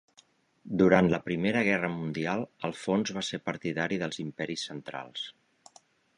Durant la Primera Guerra Mundial, Alfons va ser partidari dels Imperis Centrals.